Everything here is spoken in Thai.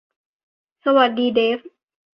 สวัสดีเดฟ